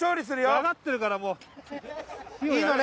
分かってるからもう。いいのね？